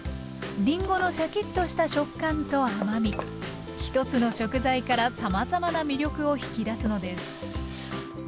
りんごのシャキッとした食感と甘み１つの食材からさまざまな魅力を引き出すのです